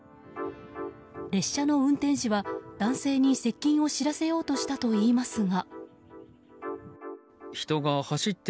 列車の運転士は男性に接近を知らせようとしたといいますが。